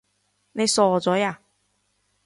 你傻咗呀？